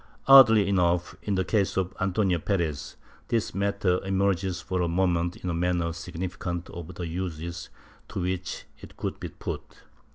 ^ Oddly enough, in the case of Antonio Perez this matter emerges for a moment in a manner significant of the uses to which it could be put.